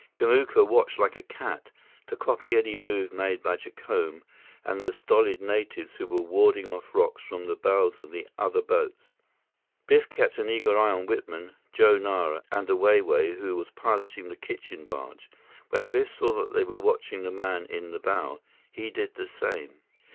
Kamuka watched like a cat, to copy any move made by Jacome and the stolid natives who were warding off rocks from the bows of the other boats. Biff kept an eager eye on Whitman, Joe Nara, and the Wai Wai who was piloting the kitchen barge. When Biff saw that they were watching the man in the bow, he did the same.